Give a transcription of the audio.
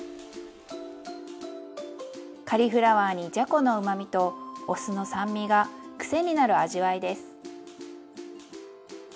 カリフラワーにじゃこのうまみとお酢の酸味が癖になる味わいです。